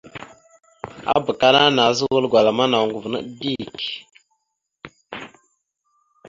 Abak ana nazza wal gwala ma noŋgov naɗ dik.